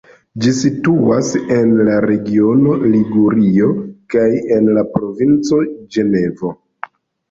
Ĝi situas en la regiono Ligurio kaj en la provinco Ĝenovo.